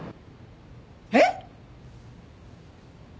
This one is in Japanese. えっ！？